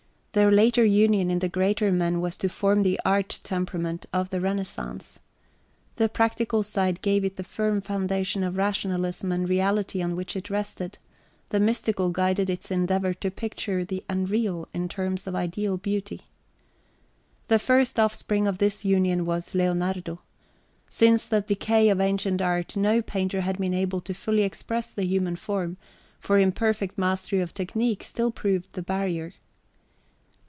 Their later union in the greater men was to {x} form the art temperament of the Renaissance. The practical side gave it the firm foundation of rationalism and reality on which it rested; the mystical guided its endeavour to picture the unreal in terms of ideal beauty. The first offspring of this union was Leonardo. Since the decay of ancient art no painter had been able to fully express the human form, for imperfect mastery of technique still proved the barrier.